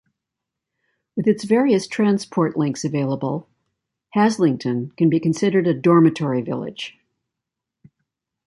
With its various transport links available, Haslington can be considered a dormitory village.